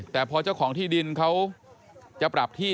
แต่พอเจ้าของที่ดินเขาจะปรับที่